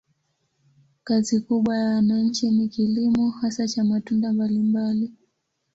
Kazi kubwa ya wananchi ni kilimo, hasa cha matunda mbalimbali.